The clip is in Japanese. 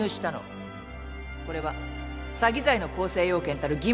これは詐欺罪の構成要件たる欺